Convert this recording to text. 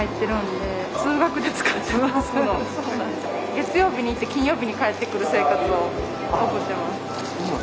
月曜日に行って金曜日に帰ってくる生活を送ってます。